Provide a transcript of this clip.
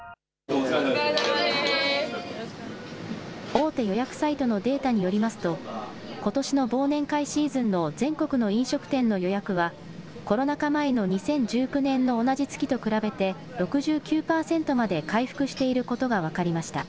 大手予約サイトのデータによりますと、ことしの忘年会シーズンの全国の飲食店の予約は、コロナ禍前の２０１９年の同じ月と比べて、６９％まで回復していることが分かりました。